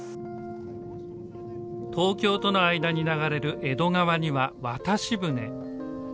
東京との間に流れる江戸川には渡し船。